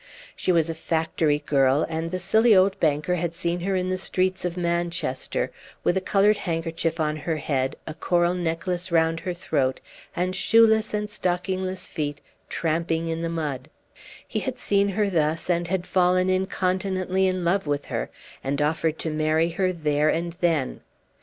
She was a factory girl, and the silly old banker had seen her in the streets of Manchester, with a colored handkerchief on her head, a coral necklace round her throat, and shoeless and stockingless feet tramping in the mud: he had seen her thus, and had fallen incontinently in love with her, and offered to marry her there and then.